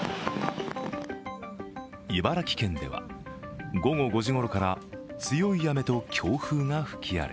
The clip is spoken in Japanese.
茨城県では午後５時ごろから強い雨と強風が吹き荒れ